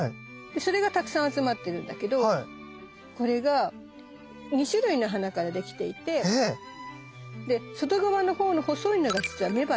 それがたくさん集まってるんだけどこれが２種類の花からできていて外側のほうの細いのがじつは雌花。